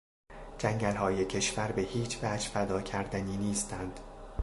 جنگلهای کشور به هیچ وجه فدا کردنی نیستند.